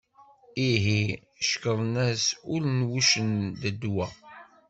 Ihi, cekkṛen-as ul n wuccen d ddwa.